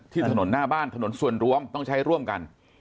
ถนนหน้าบ้านถนนส่วนรวมต้องใช้ร่วมกัน